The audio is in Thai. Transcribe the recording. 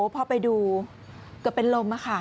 พอไปดูเกือบเป็นลม